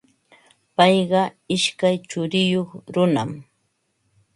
Payqa ishkay churiyuq runam.